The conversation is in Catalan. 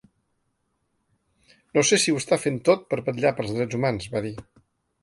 No sé si ho està fent tot per vetllar pels drets humans, va dir.